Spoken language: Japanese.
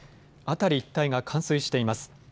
辺り一帯が冠水しています。